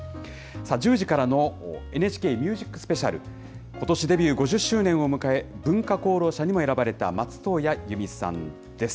１０時からのＮＨＫＭＵＳＩＣＳＰＥＣＩＡＬ。ことしデビュー５０周年を迎え、文化功労者にも選ばれた松任谷由実さんです。